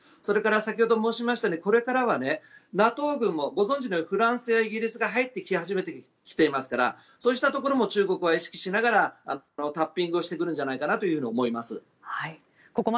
先ほど申しましたがこれからはＮＡＴＯ軍もご存じのようにフランスやイギリスが入ってきていますからそうしたところも中国は意識しながらタッピングをしてくるのではと思います。